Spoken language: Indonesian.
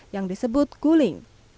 yang disebut guling